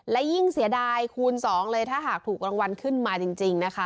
และยิ่งเสียดายคูณ๒เลยถ้าหากถูกรางวัลขึ้นมาจริงนะคะ